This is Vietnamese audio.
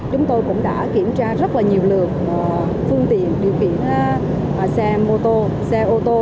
chúng tôi cũng đã kiểm tra rất là nhiều lượng phương tiện điều khiển xe ô tô